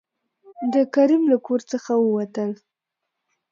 د کريم له کور څخه ووتل.